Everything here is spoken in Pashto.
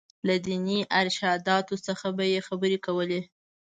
له ديني ارشاداتو څخه به یې خبرې کولې.